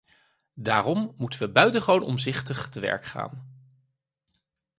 Daarom moeten we buitengewoon omzichtig te werk gaan.